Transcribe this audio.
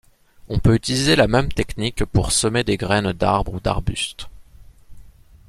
On peut utiliser la même technique pour semer des graines d'arbres ou d'arbustes.